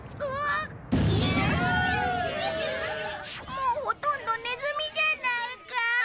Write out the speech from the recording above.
もうほとんどネズミじゃないか。